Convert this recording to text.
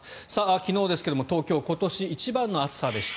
昨日ですが東京は今年一番の暑さでした。